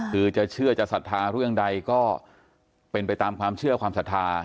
คือจะเชื่อจะศรัทธาเรื่องใดก็เป็นไปตามความเชื่อความศรัทธา